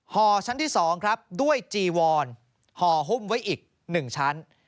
ห่อชั้นที่๒ครับด้วยจีวอนห่อหุ้มไว้อีก๑ชั้น